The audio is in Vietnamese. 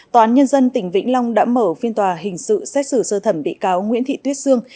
tòa án nhân dân tỉnh vĩnh long đã mở phiên tòa hình sự xét xử sơ thẩm bị cáo nguyễn thị tuyết sương